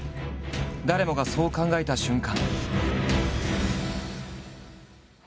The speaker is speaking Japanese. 誰もがそう考えた瞬間。